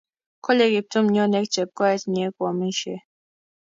Kole Kiptum nyone Chepjoech nye kwamisyei.